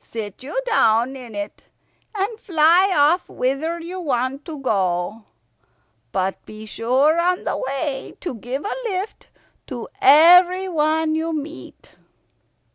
Sit you down in it, and fly off whither you want to go. But be sure on the way to give a lift to everyone you meet."